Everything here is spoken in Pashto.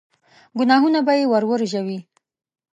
ګناهونه به يې ور ورژوي.